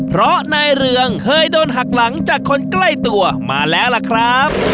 เพราะนายเรืองเคยโดนหักหลังจากคนใกล้ตัวมาแล้วล่ะครับ